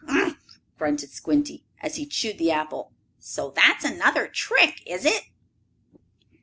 "Uff! Uff!" grunted Squinty, as he chewed the apple. "So that's another trick, is it?"